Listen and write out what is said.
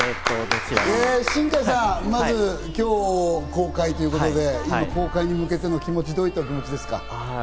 新海さん、まず今日公開ということで、公開に向けての気持ち、どういった気持ちですか？